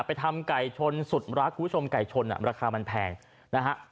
ทำไก่ชนสุดรักคุณผู้ชมไก่ชนราคามันแพงนะฮะ